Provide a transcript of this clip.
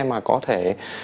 mà có thể